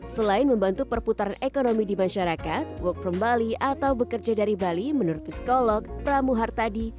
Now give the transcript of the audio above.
selain membantu perputaran ekonomi di masyarakat work from bali atau bekerja dari bali menurut psikolog pramuhar tadi